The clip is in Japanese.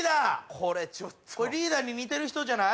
これリーダーに似てる人じゃない？